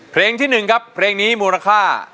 เพลงที่๑ครับเพลงนี้มูลค่า